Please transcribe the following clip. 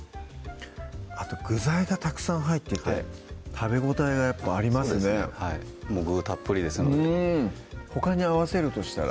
あと具材がたくさん入ってて食べ応えがやっぱありますねもう具たっぷりですのでうんほかに合わせるとしたら？